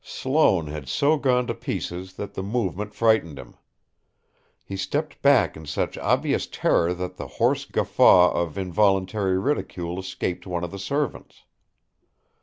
Sloane had so gone to pieces that the movement frightened him. He stepped back in such obvious terror that a hoarse guffaw of involuntary ridicule escaped one of the servants.